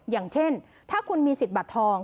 อย่างเช่นถ้าคุณมีสิทธิ์บัตรทอง